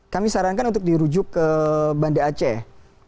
kami sarankan untuk dirujuk ke banda aceh